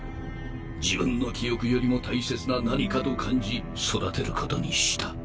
自分の記憶よりも大切な何かと感じ育てることにした。